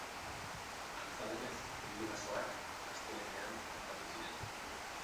Antza denez, hiru erasoak astelehenean gertatu ziren.